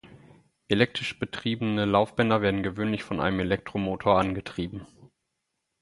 Elektrisch betriebene Laufbänder werden gewöhnlich von einem Elektromotor angetrieben.